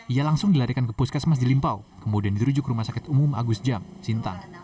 ia langsung dilarikan ke puskas mas di limpau kemudian dirujuk ke rumah sakit umum agus jam sintang